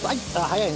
早い？